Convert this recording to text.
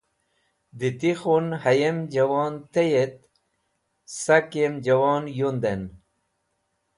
Dem ti khun hayem juwon tey et sak yem juwon yunden.